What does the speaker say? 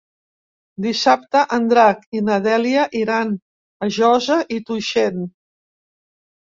Dissabte en Drac i na Dèlia iran a Josa i Tuixén.